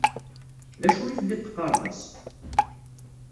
D acu i telliḍ teqqaṛeḍ-as?